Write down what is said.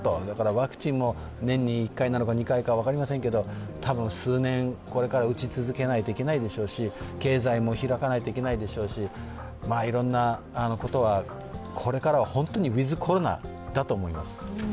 ワクチンも年に１回なのか２回なのか分からないですけどたぶん数年、これから打ち続けないといけないでしょうし、経済も開かないといけないでしょうし、いろんなことはこれからは本当にウィズ・コロナだと思います。